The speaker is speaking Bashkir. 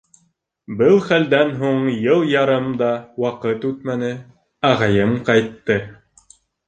Был хәлдән һуң йыл ярым да ваҡыт үтмәне, ағайым ҡайтты!